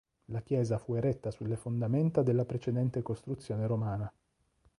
La chiesa fu eretta sulle fondamenta della precedente costruzione romana.